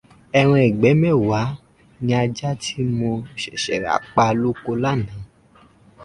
Ẹran ìgbẹ́ mẹ́wàá ni ajá tí mo ṣẹ̀ṣẹ̀ rà pa lóko lánàá.